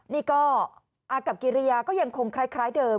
นี่ก็อากับกิริยาก็ยังคงคล้ายเดิม